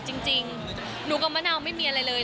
จริงหนูกับมะนาวไม่มีอะไรเลย